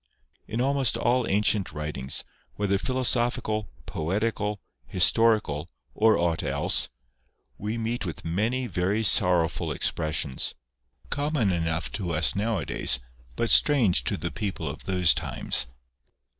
In almost all ancient writings (whether philosophical, poetical, historical, or aught else), we meet with many very sorrowful expressions, common enough to us nowadays, but strange to the people of those times.